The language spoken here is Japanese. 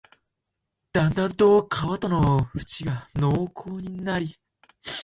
だんだんと川との縁が濃厚になり、